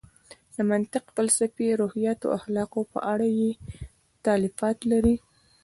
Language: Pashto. د منطق، فلسفې، روحیاتو او اخلاقو په اړه یې تالیفات لري.